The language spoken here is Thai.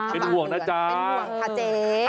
เป็นห่วงค่ะเจ๊